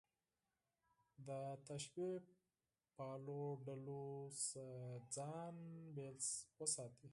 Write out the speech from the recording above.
له تشبیه پالو ډلو څخه ځان بېل وساتي.